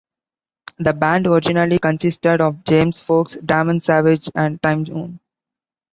The band originally consisted of James Folks, Damon Savage and Timeone.